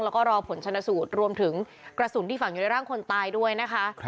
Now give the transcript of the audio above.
แล้วก็รอผลชนสูตรรวมถึงกระสุนที่ฝังอยู่ในร่างคนตายด้วยนะคะ